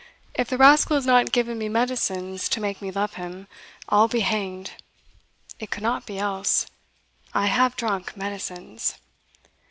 If the rascal has not given me medicines to make me love him, I'll be hanged; it could not be else. I have drunk medicines."